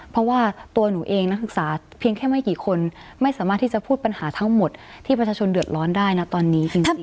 เพราะว่าตัวหนูเองนักศึกษาเพียงแค่ไม่กี่คนไม่สามารถที่จะพูดปัญหาทั้งหมดที่ประชาชนเดือดร้อนได้นะตอนนี้จริง